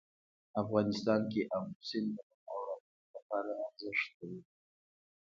افغانستان کې آمو سیند د نن او راتلونکي لپاره ارزښت لري.